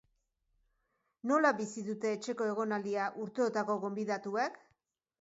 Nola bizi dute etxeko egonaldia urteotako gonbidatuek?